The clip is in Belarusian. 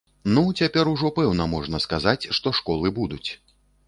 Ну, цяпер ужо пэўна можна сказаць, што школы будуць!